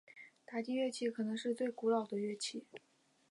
打击乐器可能是最古老的乐器。